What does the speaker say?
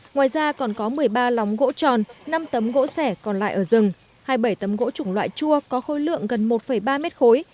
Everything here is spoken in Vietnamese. ngoài ra còn có một mươi ba lóng gỗ tròn năm tấm gỗ sẻ còn lại ở rừng hai mươi bảy tấm gỗ chủng loại chua có khối lượng gần một ba mét khối